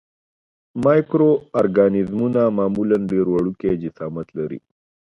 مایکرو ارګانیزمونه معمولاً ډېر وړوکی جسامت لري.